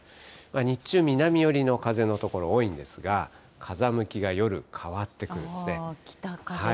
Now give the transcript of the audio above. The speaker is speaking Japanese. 日中、南寄りの風の所多いんですが、風向きが夜、変わってくるん北風に。